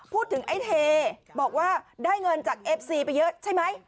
ไอ้เทบอกว่าได้เงินจากเอฟซีไปเยอะใช่ไหม